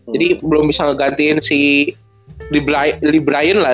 jadi belum bisa ngegantiin si lee brian lah